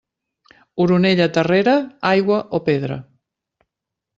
Oronella terrera, aigua o pedra.